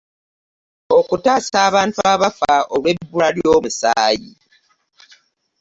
Okutaasa abantu abafa olw'ebbula ly'omusaayi.